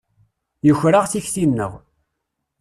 Yuker-aɣ tikti-nneɣ.